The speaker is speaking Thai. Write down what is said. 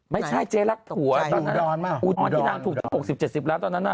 ไม่ใช่เจ๊รักผัวอุดรรณถูก๖๐๗๐ล้านตอนนั้น